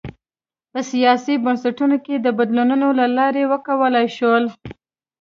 په سیاسي بنسټونو کې د بدلونونو له لارې وکولای شول.